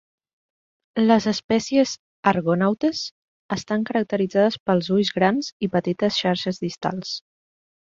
Les espècies "Argonautes" estan caracteritzades pels ulls grans i petites xarxes distals.